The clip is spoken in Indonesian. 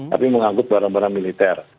tapi mengangkut barang barang militer